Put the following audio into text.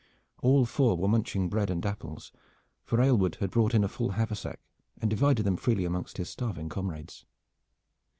All four were munching bread and apples, for Aylward had brought in a full haversack and divided them freely amongst his starving comrades.